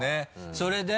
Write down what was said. それで？